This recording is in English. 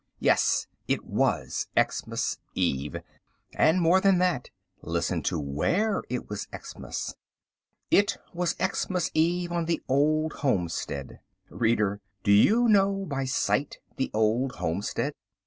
Yes, it was Xmas Eve. And more than that! Listen to where it was Xmas. It was Xmas Eve on the Old Homestead. Reader, do you know, by sight, the Old Homestead?